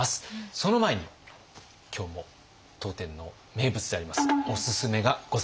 その前に今日も当店の名物でありますおすすめがございます。